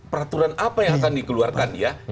peraturan apa yang akan dikeluarkan ya